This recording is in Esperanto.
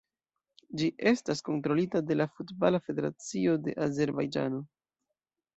Ĝi estas kontrolita de la Futbala Federacio de Azerbajĝano.